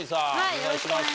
お願いします。